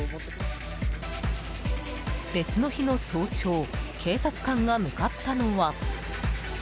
別の日の早朝警察官が向かったのは。